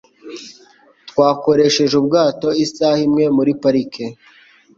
Twakoresheje ubwato isaha imwe muri parike.